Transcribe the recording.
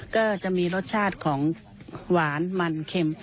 ก็จะมีรสชาติของหวานมันเข็ม